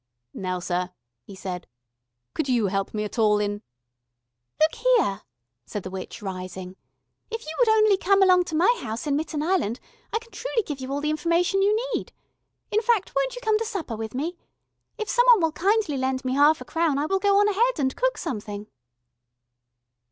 "Now, sir," he said. "Could you help me at all in " "Look here," said the witch, rising. "If you would only come along to my house in Mitten Island I can truly give you all the information you need. In fact, won't you come to supper with me? If some one will kindly lend me half a crown I will go on ahead and cook something."